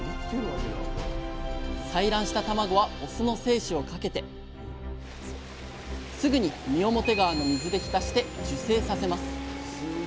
採卵した卵はオスの精子をかけてすぐに三面川の水で浸して受精させます。